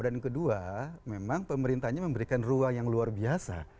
dan yang kedua memang pemerintahnya memberikan ruang yang luar biasa